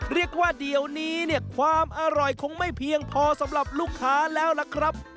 เรียกว่าเดี๋ยวนี้เนี่ยความอร่อยคงไม่เพียงพอสำหรับลูกค้าแล้วล่ะครับ